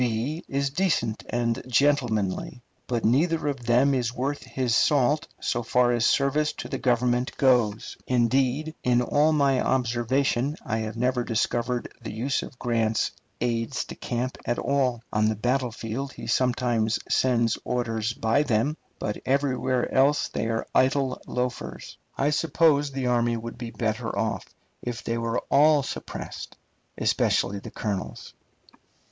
is decent and gentlemanly, but neither of them is worth his salt so far as service to the Government goes. Indeed, in all my observation, I have never discovered the use of Grant's aides de camp at all. On the battlefield he sometimes sends orders by them, but everywhere else they are idle loafers. I suppose the army would be better off if they were all suppressed, especially the colonels.